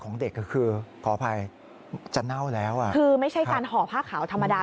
ของเด็กก็คือขออภัยจะเน่าแล้วอ่ะคือไม่ใช่การห่อผ้าขาวธรรมดา